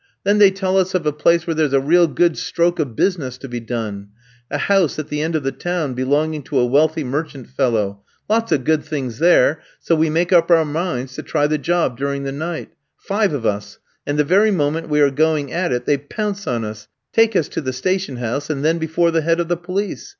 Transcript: Then they tell us of a place where there's a real good stroke of business to be done a house at the end of the town belonging to a wealthy merchant fellow; lots of good things there, so we make up our minds to try the job during the night; five of us, and the very moment we are going at it they pounce on us, take us to the station house, and then before the head of the police.